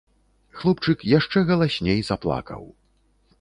Хлопчык яшчэ галасней заплакаў.